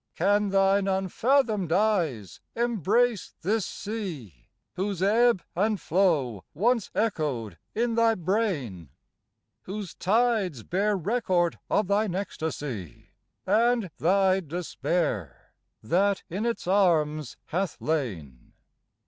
Can thine unfathomed eyes embrace this sea, Whose ebb and flow once echoed in thy brain? Whose tides bear record of thine ecstasy And thy despair, that in its arms hath lain?